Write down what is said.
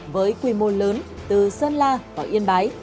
với quy mô lớn từ sơn la vào yên bái